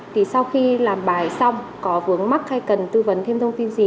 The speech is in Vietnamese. thì sau khi làm bài xong có vướng mắc hay cần tư vấn thêm thông tin gì